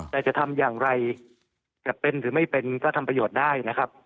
แต่จะทำอย่างไรจะเป็นหรือไม่เป็นก็ทำประโยชน์ได้นะครับ